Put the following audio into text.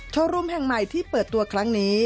โชว์รูมแห่งใหม่ที่เปิดตัวครั้งนี้